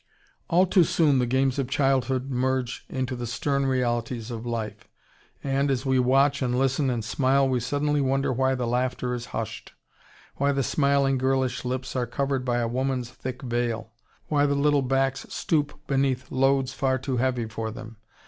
] All too soon the games of childhood merge into the stern realities of life, and, as we watch and listen and smile, we suddenly wonder why the laughter is hushed, why the smiling, girlish lips are covered by a woman's thick veil, why the little backs stoop beneath loads far too heavy for them.